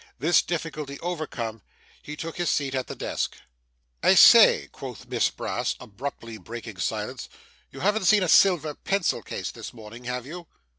This difficulty overcome, he took his seat at the desk. 'I say' quoth Miss Brass, abruptly breaking silence, 'you haven't seen a silver pencil case this morning, have you?